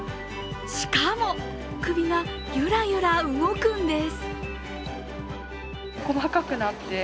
しかも、首がゆらゆら動くんです。